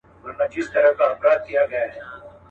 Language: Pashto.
غټي داړي یې ښکاره کړې په خندا سو.